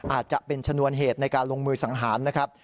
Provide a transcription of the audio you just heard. อาจจะเป็นชนวนเหตุในการลงมือสังหารนะครับ